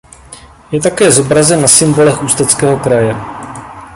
Je také zobrazen na symbolech Ústeckého kraje.